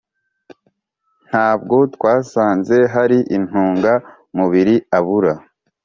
Ntabwo twasanze hari intunga mubiri abura